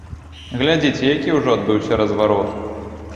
Глядзіце, які ўжо адбыўся разварот!